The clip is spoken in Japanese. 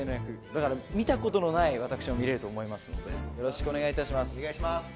だから見た事のない私を見れると思いますのでよろしくお願いいたします。